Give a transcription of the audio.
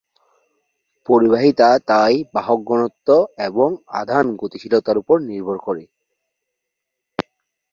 পরিবাহিতা তাই বাহক ঘনত্ব এবং আধান গতিশীলতার উপর নির্ভর করে।